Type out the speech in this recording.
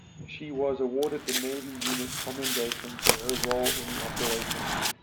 She was awarded the Navy Unit Commendation for her role in the operation.